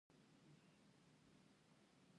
په افغانستان کې د تنوع منابع شته.